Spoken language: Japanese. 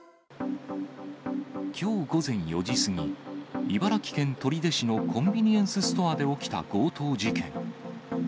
きょう午前４時過ぎ、茨城県取手市のコンビニエンスストアで起きた強盗事件。